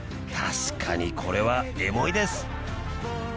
確かにこれはエモいです！